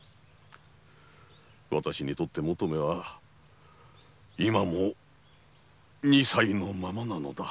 わたしにとって求馬は今も二歳のままなのだ。